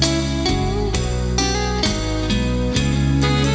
สวัสดีครับ